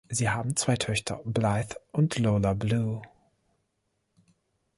Sie haben zwei Töchter, Blythe und Lola-Blue.